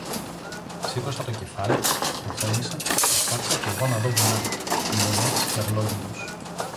Σήκωσα το κεφάλι, ρουθούνισα, προσπάθησα κι εγώ να δω βουνά, μονές και αυλόγυρους